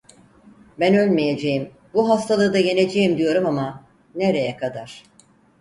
Ben ölmeyeceğim, bu hastalığı da yeneceğim diyorum ama, nereye kadar.